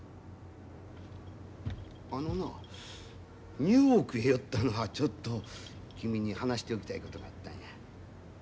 あのなニューヨークへ寄ったのはちょっと君に話しておきたいことがあったんや。